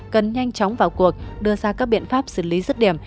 cần nhanh chóng vào cuộc đưa ra các biện pháp xử lý rứt điểm